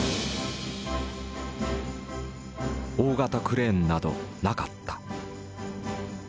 大型クレーンなどなかった。